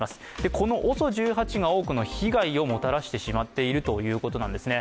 このＯＳＯ１８が多くの被害をもたらしてしまっているということなんですね。